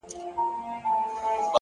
اخلاص د باور اړیکې ژوروي!